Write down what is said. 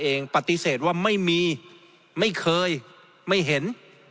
ปฏิเสธว่าไม่มีไม่เคยไม่เห็น